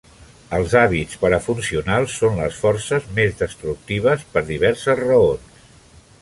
Els hàbits parafuncionals són les forces més destructives per diverses raons.